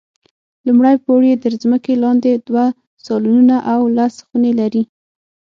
لومړی پوړ یې تر ځمکې لاندې دوه سالونونه او لس خونې لري.